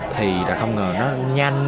thì là không ngờ nó nhanh